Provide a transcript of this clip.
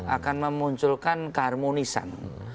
akan memunculkan keharmonisan